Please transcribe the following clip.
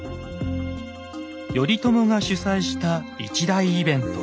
頼朝が主催した一大イベント